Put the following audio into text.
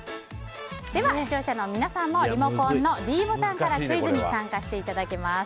では視聴者の皆さんもリモコンのｄボタンからクイズに参加していただきます。